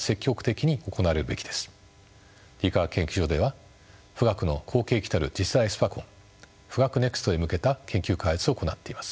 理化学研究所では富岳の後継機たる次世代スパコンＦｕｇａｋｕＮＥＸＴへ向けた研究開発を行っています。